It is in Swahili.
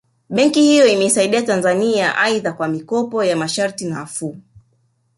Benki hiyo imeisaidia Tanzania aidha kwa mikopo ya masharti nafuu